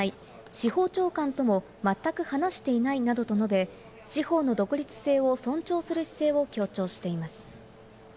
司法長官ともまったく話していないなどと述べ、司法の独立性を尊重する姿勢を強調しています。